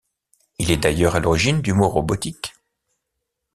Il est d'ailleurs à l'origine du mot robotique.